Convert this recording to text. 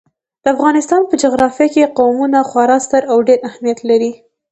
د افغانستان په جغرافیه کې قومونه خورا ستر او ډېر اهمیت لري.